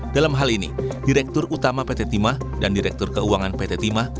dalam hal ini direktur utama pt timah dan direktur keuangan pt timah